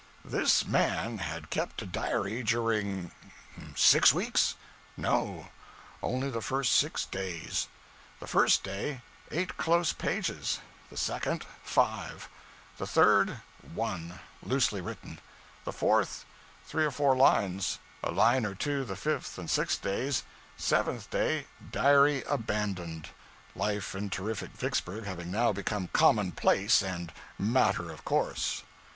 This man had kept a diary during six weeks? No, only the first six days. The first day, eight close pages; the second, five; the third, one loosely written; the fourth, three or four lines; a line or two the fifth and sixth days; seventh day, diary abandoned; life in terrific Vicksburg having now become commonplace and matter of course.